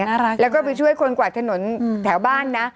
โอ้น่ารักเลยนะแล้วก็ไปช่วยคนกวาดถนนแถวบ้านนะ